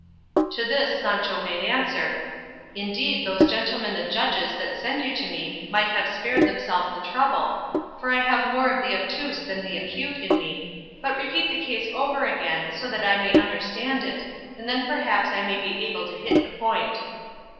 To this Sancho made answer, "Indeed those gentlemen the judges that send you to me might have spared themselves the trouble, for I have more of the obtuse than the acute in me; but repeat the case over again, so that I may understand it, and then perhaps I may be able to hit the point."